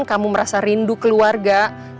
kamu merasa rindu keluarga